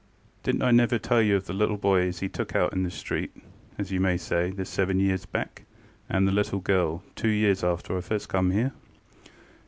DidnŌĆÖt I never tell you of the little boy as he took in out of the street, as you may say, this seven years back? and the little girl, two years after I first come here?